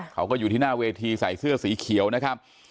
เขาก็อยู่ที่หน้าเวทีใส่เสื้อสีเขียวนะครับ